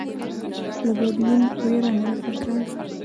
له بدلون ويره نده پکار